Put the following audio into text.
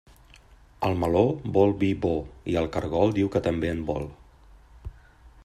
El meló vol vi bo, i el caragol diu que també en vol.